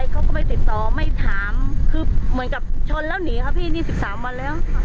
ยังไม่มีคืบหน้ามัน๑๓วันแล้ว